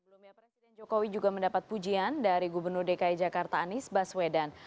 sebelumnya presiden jokowi juga mendapat pujian dari gubernur dki jakarta anies baswedan